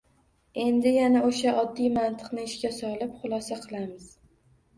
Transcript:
Endi yana o‘sha oddiy mantiqni ishga solib xulosa qilamiz